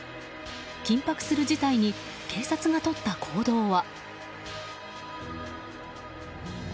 緊迫する事態に警察がとった行動は。